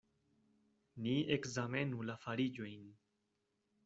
Ni ekzamenu la fariĝojn.